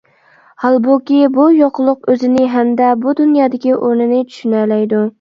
ھالبۇكى، بۇ «يوقلۇق» ئۆزىنى ھەمدە بۇ دۇنيادىكى ئورنىنى چۈشىنەلەيدۇ.